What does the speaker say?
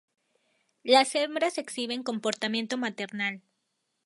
Las hembras exhiben comportamiento maternal.